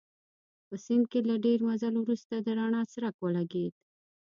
په سیند کې له ډېر مزل وروسته د رڼا څرک ولګېد.